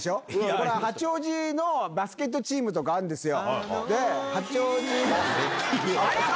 これは八王子のバスケットチームとかあんですよ。